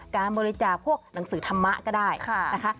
การบริจาคพวกหนังสือธรรมะก็ได้นะคะ